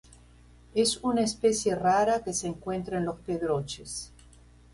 Es una especie rara que se encuentra en Los Pedroches.